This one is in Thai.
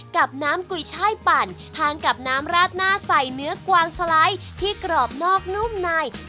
กับน้ำกุยช่ายปั่นทานกับน้ำราดหน้าใส่เนื้อกวางสไลด์ที่กรอบนอกนุ่มใน